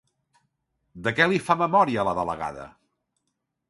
De què li fa memòria a la delegada?